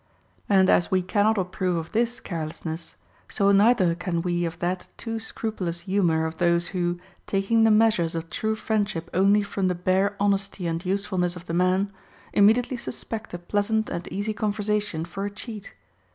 And as we cannot approve of this carelessness, so neither can we of that too scrupulous humor of those who. taking the measures of true friendship only from the bare honesty and usefulness of the man, immediately sus pect a pleasant and easy conversation for a cheat.